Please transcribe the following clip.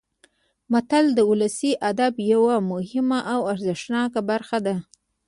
متل د ولسي ادب یوه مهمه او ارزښتناکه برخه ده